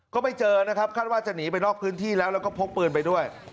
ก็ไม่เจอนะครับคาดว่าจะหนีไปนอกพื้นที่แล้วแล้วก็พกปืนไปด้วย